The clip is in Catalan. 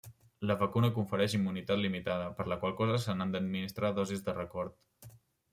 La vacuna confereix immunitat limitada, per la qual cosa se n'han d'administrar dosis de record.